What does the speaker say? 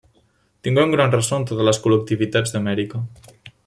Tingué un gran ressò en totes les col·lectivitats d'Amèrica.